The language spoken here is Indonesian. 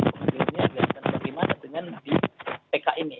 kemudian bagaimana dengan di pk ini